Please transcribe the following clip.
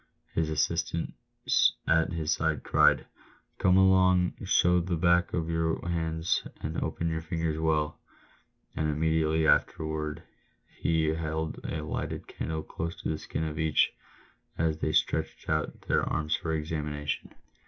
His assistant at his side cried, " Come along, show the back of your hands and open your fingers well ;" and immediately afterwards he held a lighted candle close to the skin of each, as they stretched out their arms for examination.